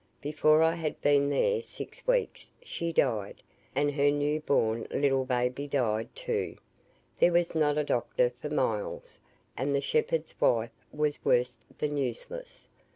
Before I had been there six weeks she died, and her new born little baby died too; there was not a doctor for miles, and the shepherd's wife was worse than useless.